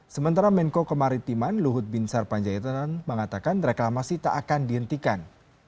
sementara menko kemaritiman luhut bin sarpanjaitan mengatakan reklamasi tak akan dihentikan